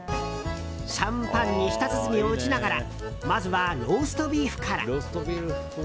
シャンパンに舌鼓を打ちながらまずはローストビーフから。